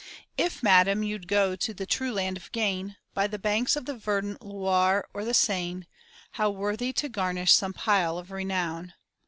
If, madam, you'd go to the true land of gain, By the banks of the verdant Loire or the Seine, How worthy to garnish some pile of renown.